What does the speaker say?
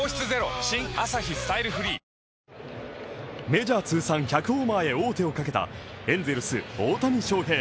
メジャー通算１００ホーマーへ王手をかけたエンゼルス・大谷翔平。